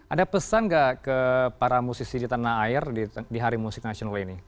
ada pesan gak ke para musisi di tanah air di hari musik nasional ini